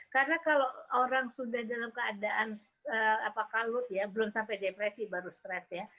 karena kalau orang sudah dalam keadaan kalut belum sampai depresi baru stres